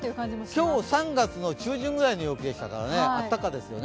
今日、３月の中旬ぐらいの陽気でしたから、あったかですよね。